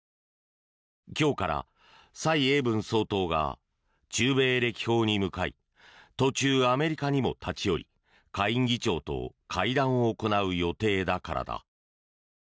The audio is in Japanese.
今日から蔡英文総統が中米歴訪に向かい途中、アメリカにも立ち寄り下院議長と会談を行う予定だからだ。